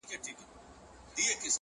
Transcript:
د زړه رگونه مي د باد په هديره كي پراته”